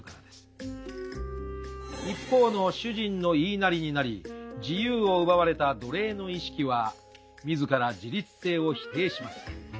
一方の主人の言いなりになり自由を奪われた奴隷の意識は自ら自立性を否定します。